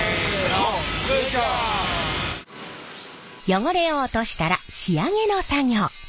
汚れを落としたら仕上げの作業。